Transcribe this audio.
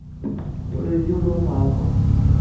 Ula d yiwen ur t-ɛerrḍeɣ.